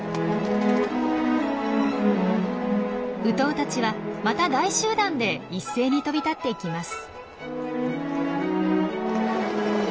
ウトウたちはまた大集団で一斉に飛び立っていきます。